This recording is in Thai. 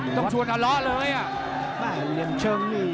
ต้องชวนทะเลาะเลยอ่ะ